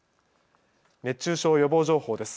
熱中症予防情報です。